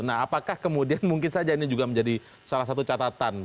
nah apakah kemudian mungkin saja ini juga menjadi salah satu catatan